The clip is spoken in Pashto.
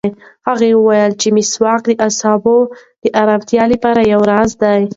هغه وویل چې مسواک د اعصابو د ارامتیا لپاره یو راز دی.